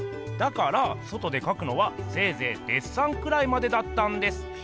だから外でかくのはせいぜいデッサンくらいまでだったんです。